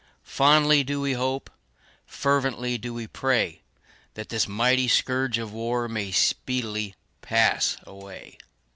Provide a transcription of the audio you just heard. Fondly do we hope fervently do we pray that this mighty scourge of war may speedily pass away.